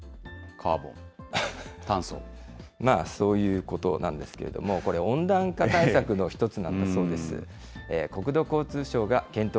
まあ、そういうことなんですけれども、これ、温暖化対策の一つなんだそうです。